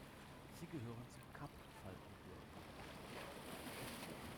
Sie gehören zum Kap-Faltengürtel.